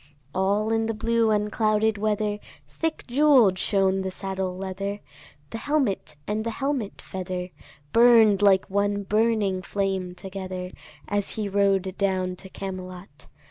All in the blue unclouded weather Thick jewell'd shone the saddle leather, The helmet and the helmet feather Burn'd like one burning flame together, As he rode down to Camelot.